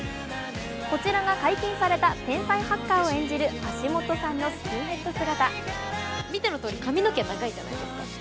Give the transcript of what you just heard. こちらが解禁された天才ハッカーを演じる橋本さんのスキンヘッド姿。